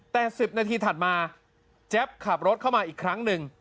แต่๑๐นาทีถัดมาแจ๊บขับรถเข้ามาอีกครั้งหนึ่ง